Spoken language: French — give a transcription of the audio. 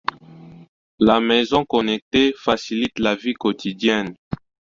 La maison connectée facilite la vie quotidienne.